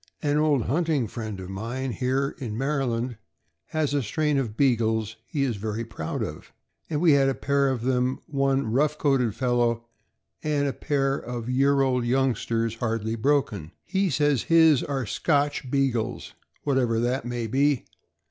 An old hunting friend of mine here (in Maryland) has a strain of Beagles he is very proud of, and we had a pair of them, one rough coated fellow, and a pair of year old youngsters, hardly broken. He says his are Scotch Beagles, what ever that may be.